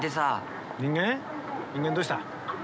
人間どうした？